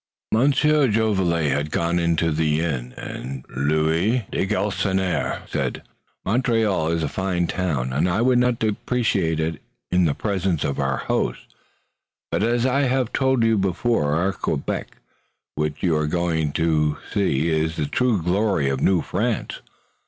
Monsieur Jolivet had gone into the inn, and de Galisonnière said: "Montreal is a fine town and I would not depreciate it in the presence of our host, but as I have told you before, our Quebec to which you are going is the true glory of New France.